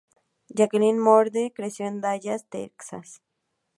Jacqueline Moore creció en Dallas, Texas.